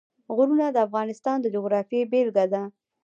غرونه د افغانستان د جغرافیې بېلګه ده.